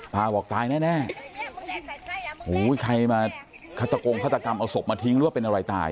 ป้าบอกตายแน่โหใครมาขัดตะกงขัดตะกรรมเอาศพมาทิ้งรวบเป็นอะไรตาย